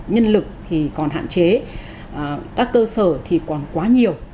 nhân lực thì còn hạn chế các cơ sở thì còn quá nhiều